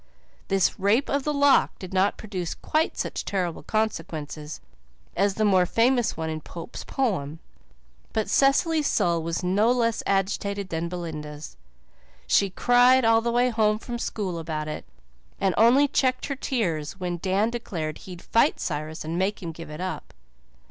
This rape of the lock did not produce quite such terrible consequences as the more famous one in Pope's poem, but Cecily's soul was no less agitated than Belinda's. She cried all the way home from school about it, and only checked her tears when Dan declared he'd fight Cyrus and make him give it up.